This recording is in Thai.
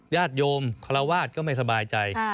ญาติโยมคาราวาสก็ไม่สบายใจ